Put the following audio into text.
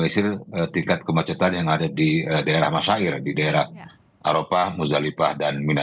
tingkat kemacetan yang ada di daerah masyair di daerah arofah muzalipah dan mina